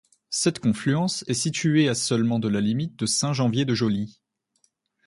Cette confluence est située à seulement de la limite de Saint-Janvier-de-Joly.